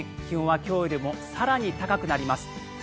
気温は今日よりも更に高くなります。